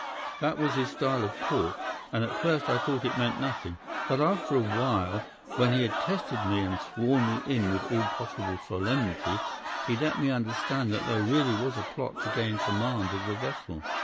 "'That was his style of talk, and at first I thought it meant nothing; but after a while, when he had tested me and sworn me in with all possible solemnity, he let me understand that there really was a plot to gain command of the vessel.